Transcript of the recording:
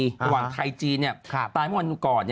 ระหว่างไทยจีนตายเมื่อวันก่อน